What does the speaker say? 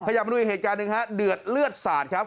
อยากมาดูอีกเหตุการณ์หนึ่งฮะเดือดเลือดสาดครับ